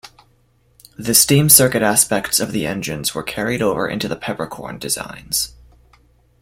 The steam circuit aspects of the engines were carried over into the Peppercorn designs.